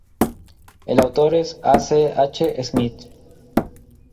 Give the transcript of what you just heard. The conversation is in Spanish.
El autor es A. C. H. Smith.